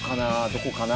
どこかな？